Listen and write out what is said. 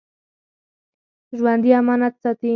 ژوندي امانت ساتي